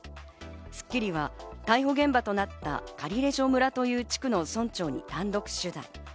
『スッキリ』は逮捕現場となったカリレジョ村という地区の村長に単独取材。